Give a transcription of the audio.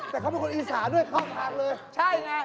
แต่เขาเป็นคนอีสานด้วยเข้าทางเลยใช่ไง